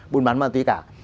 buôn bán ma tí cả